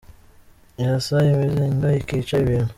Irasa imizinga ikica ibintu